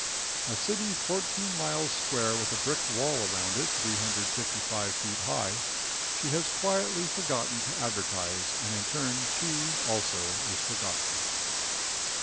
A city fourteen miles square with a brick wall around it 355 feet high, she has quietly forgotten to advertise, and in turn she, also, is forgotten.